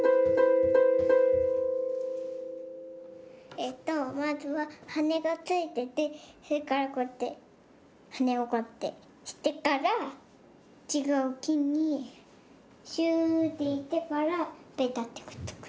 えっとまずははねがついててそれからこうやってはねをこうやってしてからちがうきにシューッていってからベタッてくっつく。